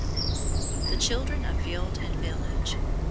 THE CHILDREN OF FIELD AND VILLAGE.